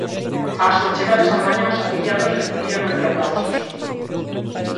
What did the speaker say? Á súa chegada esta mañá os afiliados recibíano entre aplausos.